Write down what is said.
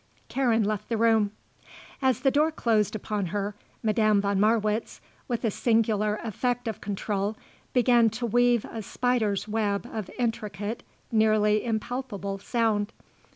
Karen left the room. As the door closed upon her, Madame von Marwitz, with a singular effect of control, began to weave a spider's web of intricate, nearly impalpable, sound.